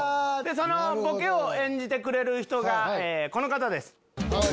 そのボケを演じてくれる人がこの方です。